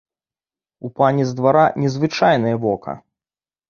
У пані з двара незвычайнае вока.